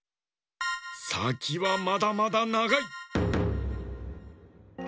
さきはまだまだながい！